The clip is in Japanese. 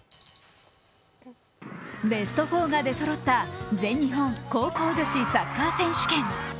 ベスト４が出そろった全日本女子高校サッカー選手権。